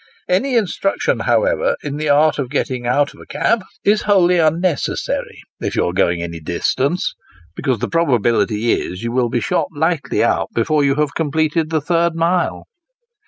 Any instruction, however, in the art of getting out of a cab, is wholly unnecessary if you are going any distance, because the prob ability is, that you will be shot lightly out before you have completed the third mile.